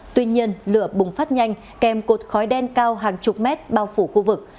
tuy nhiên lửa bùng phát nhanh kèm cột khói đen cao hàng chục mét bao phủ khu vực